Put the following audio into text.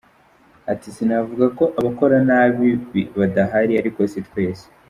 Ati ‘‘Sinavuga ko abakora nabi badahari ariko si twese.